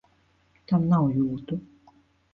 Tam nav jūtu!